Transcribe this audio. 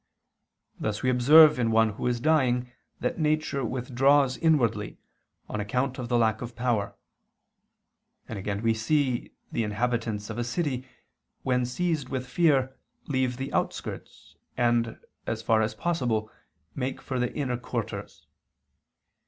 Thus we observe in one who is dying that nature withdraws inwardly, on account of the lack of power: and again we see the inhabitants of a city, when seized with fear, leave the outskirts, and, as far as possible, make for the inner quarters.